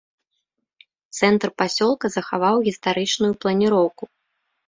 Цэнтр пасёлка захаваў гістарычную планіроўку.